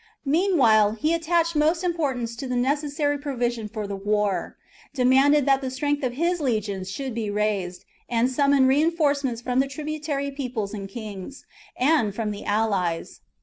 Meanwhile, he attached most importance to the necessary provision for the war, demanded that the strength of his legions should be raised, and summoned reinforcements from the tributary peoples and kings, and from the allies.